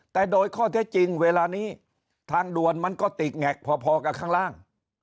แต่โดยข้อเท็จจริงเวลานี้ทางด่วนมันก็ติดแงกพอกับข้างล่าง